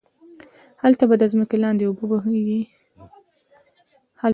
هلته به ده ځمکی لاندی اوبه بهيږي